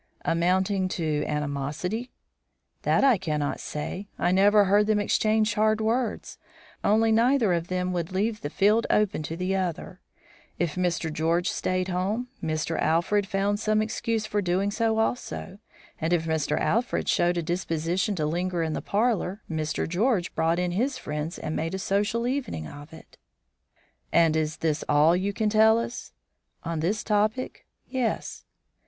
"Amounting to animosity?" "That I cannot say. I never heard them exchange hard words; only neither of them would leave the field open to the other. If Mr. George stayed home, Mr. Alfred found some excuse for doing so also; and if Mr. Alfred showed a disposition to linger in the parlour, Mr. George brought in his friends and made a social evening of it." "And is this all you can tell us?" "On this topic? Yes."